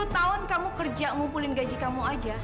sepuluh tahun kamu kerja ngumpulin gaji kamu aja